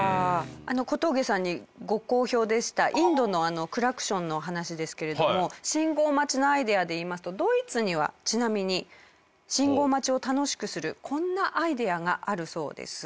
小峠さんにご好評でしたインドのクラクションの話ですけれども信号待ちのアイデアでいいますとドイツにはちなみに信号待ちを楽しくするこんなアイデアがあるそうです。